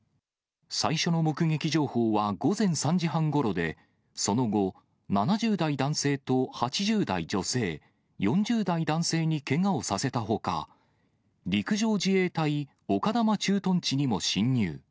最初の目撃情報は午前３時半ごろで、その後、７０代男性と８０代女性、４０代男性にけがをさせたほか、陸上自衛隊丘珠駐屯地にも侵入。